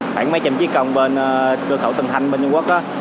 khoảng mấy trăm chiếc công bên cơ khẩu tân thanh bên trung quốc